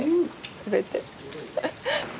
全て。